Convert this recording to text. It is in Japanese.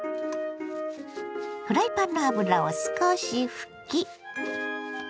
フライパンの油を少し拭き。